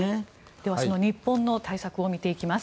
では、その日本の対策を見ていきます。